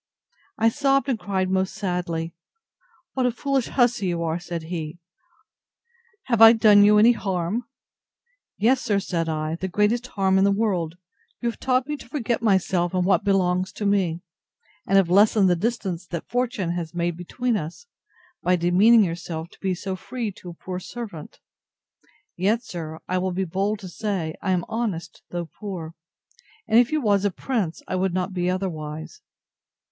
I sobbed and cried most sadly. What a foolish hussy you are! said he: Have I done you any harm? Yes, sir, said I, the greatest harm in the world: You have taught me to forget myself and what belongs to me, and have lessened the distance that fortune has made between us, by demeaning yourself, to be so free to a poor servant. Yet, sir, I will be bold to say, I am honest, though poor: and if you was a prince, I would not be otherwise.